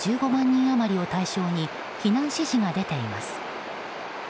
人余りを対象に避難指示が出ています。